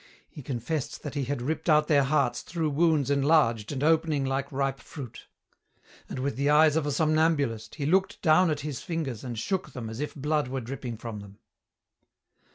He confessed that he had ripped out their hearts through wounds enlarged and opening like ripe fruit. And with the eyes of a somnambulist he looked down at his fingers and shook them as if blood were dripping from them.